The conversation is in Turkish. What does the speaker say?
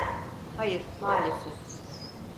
Hayır, maalesef.